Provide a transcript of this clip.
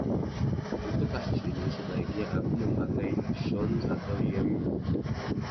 Untuk kasus ini, sebaiknya aku memakai json atau yaml?